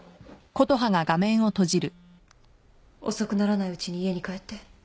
遅くならないうちに家に帰って。